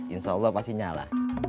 insya allah pasti nyala